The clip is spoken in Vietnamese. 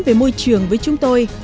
về môi trường với chúng tôi